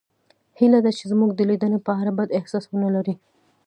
هیله ده چې زموږ د لیدنې په اړه بد احساس ونلرئ